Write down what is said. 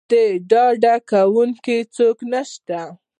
د ډاډکوونکي څوک نه شته.